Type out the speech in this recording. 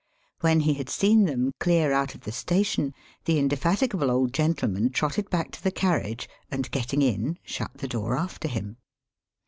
When he had seen them clear out of the station, the indefatigable old gentleman trotted back to the carriage, and, getting in, shut the door after him.